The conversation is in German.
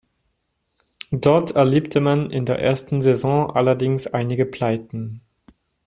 Dort erlebte man in der ersten Saison allerdings einige Pleiten.